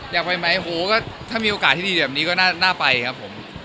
อยากไปไหมโหก็ถ้ามีโอกาสที่ดีแบบนี้ก็น่าไปครับผม